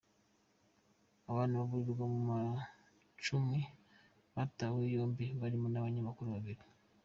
Abantu babarirwa mu macumi batawe muri yombi barimo n'abanyamakuru babiri.